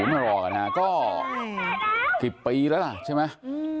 ไม่รอกันค่ะนะก็กี่ปีล่ะใช่ไหม